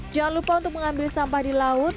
jangan lupa untuk mengambil sampah di laut